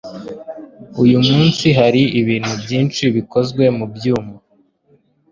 Uyu munsi hari ibintu byinshi bikozwe mubyuma.